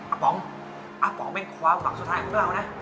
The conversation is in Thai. ป๋องอาป๋องเป็นความหวังสุดท้ายของเรานะ